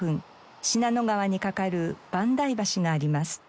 信濃川に架かる萬代橋があります。